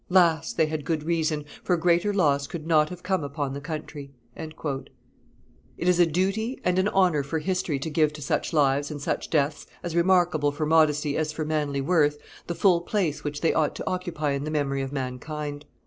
'Las! they had good reason; for greater loss could not have come upon the country." [Histoire du bon Chevalier sans Peur et sans Reproche, t. ii. pp. 125 132.] It is a duty and an honor for history to give to such lives and such deaths, as remarkable for modesty as for manly worth, the full place which they ought to occupy in the memory of mankind.